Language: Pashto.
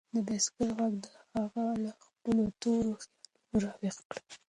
د بایسکل غږ هغه له خپلو تورو خیالونو راویښ کړ.